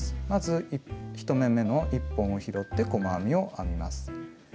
まず１目めの１本を拾って細編みを編みます。